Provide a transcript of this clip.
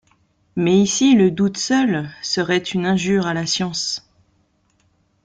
Mais ici le doute seul serait une injure à la science!